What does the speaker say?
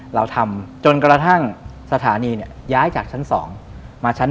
เราทำจนกระทั่งสถานีย้ายจากชั้น๒มาชั้น๒